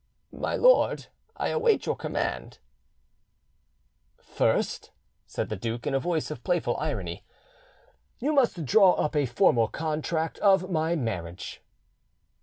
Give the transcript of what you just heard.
"My lord, I await your command." "First," said the duke, in a voice of playful irony, "you must draw up a formal contract of my marriage."